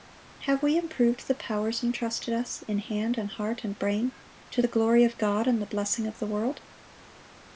Have we improved the powers intrusted us, in hand and heart and brain, to the glory of God and the blessing of the world?